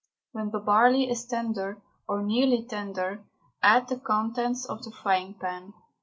When the barley is tender, or nearly tender, add the contents of the frying pan.